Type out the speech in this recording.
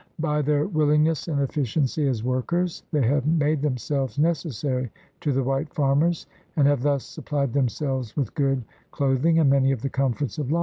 By their 146 THE RED MAN'S CONTINENT willingness and efficiency as workers they have made themselves necessary to the white farmers and have thus supplied themselves with good cloth ing and many of the comforts of life.